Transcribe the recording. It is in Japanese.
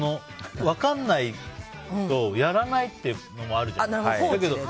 分からないとやらないっていうのもあるじゃない。